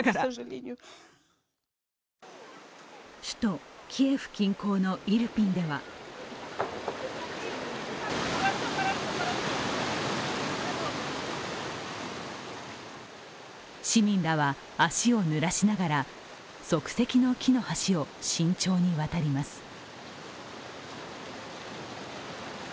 首都キエフ近郊のイルピンでは市民らは足をぬらしながら、即席の木の橋を慎重に渡ります。